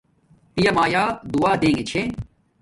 پیا مایآ دعا دیگے چھے